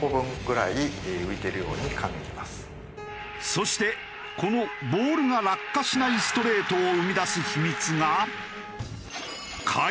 そしてこのボールが落下しないストレートを生み出す秘密が。